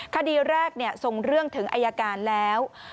คดีแรกส่งเรื่องถึงอายการแล้ว